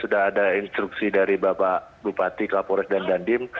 sudah ada instruksi dari bapak bupati kapolres dan dandim